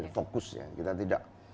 fokus ya kita tidak